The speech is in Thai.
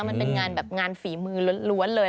มันเป็นงานแบบงานฝีมือล้วนเลย